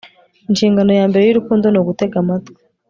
inshingano ya mbere y'urukundo ni ugutega amatwi